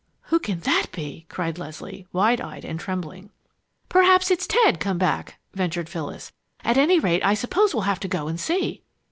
"Who can that be?" cried Leslie, wide eyed and trembling. "Perhaps it's Ted come back," ventured Phyllis. "At any rate, I suppose we'll have to go and see!"